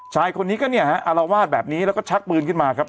ชายคนนี้ก็เนี่ยฮะอารวาสแบบนี้แล้วก็ชักปืนขึ้นมาครับ